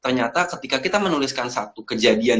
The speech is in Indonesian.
ternyata ketika kita menuliskan satu kejadian